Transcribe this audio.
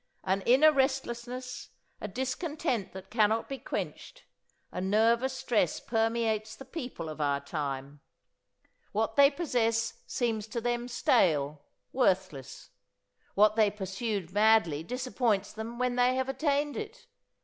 An inner restlessness, a discontent that cannot be quenched, a nervous stress permeates the people of our time. What they possess seems to them stale, worthless. What they pursued madly disappoints them when they have attained it.